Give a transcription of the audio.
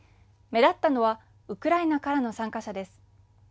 目立ったのはウクライナからの参加者です。